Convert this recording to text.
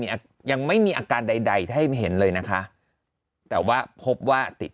อ่ะยังไม่มีอาการใดใดให้เห็นเลยนะคะแต่ว่าพบว่าติด